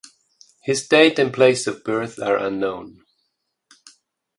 His date and place of birth are unknown.